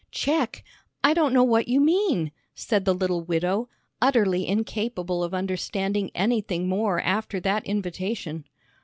"Check? I don't know what you mean," said the little widow, utterly incapable of understanding anything more after that invitation!